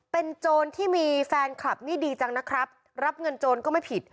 เป็นโจรที่มีแฟนคลับนี่ดีจังนะครับรับเงินโจรก็ไม่ผิด